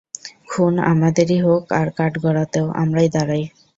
খুন আমাদেরই হোক আর কাঠগড়াতেও আমারাই দাঁড়াই।